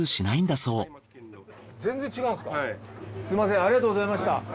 すみませんありがとうございました。